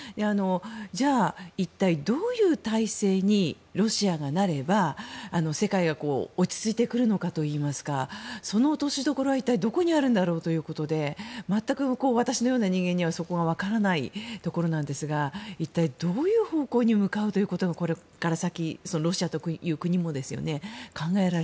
じゃあ、一体どういう体制にロシアがなれば世界が落ち着いてくるのかといいますかその落としどころは一体どこにあるんだろうということで全く私のような人間にはそこがわからないところなんですが一体、どういう方向に向かうことがこれから先ロシアという国もですよね